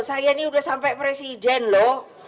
saya ini udah sampai presiden loh